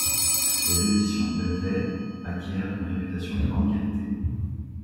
Les éditions Bentley acquièrent une réputation de grande qualité.